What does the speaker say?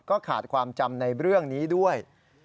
ก็ขาดความจำในเรื่องนี้ด้วย